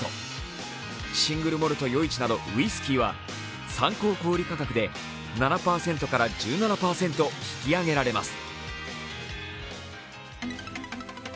シングルモルト余市などウイスキーは参考小売価格で７％から１７％引き上げられます。